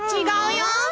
違うよ。